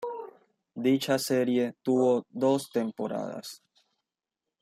Dicha serie tuvo dos temporadas.